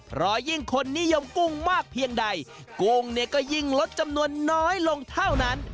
เพราะยิ่งคนนิยมกุ้งมากเพียงใดกุ้งเนี่ยก็ยิ่งลดจำนวนน้อยลงเท่านั้น